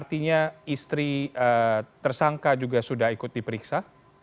apakah itu juga artinya istri tersangka juga sudah ikut diperiksa